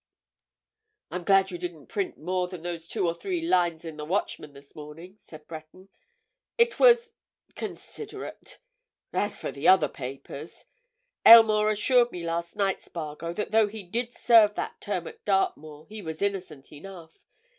"I'm glad you didn't print more than those two or three lines in the Watchman this morning," said Breton. "It was—considerate. As for the other papers!—Aylmore assured me last night, Spargo, that though he did serve that term at Dartmoor he was innocent enough!